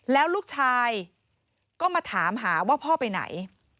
แล้วลูกชายก็มาถามหาว่าพ่อไปไหน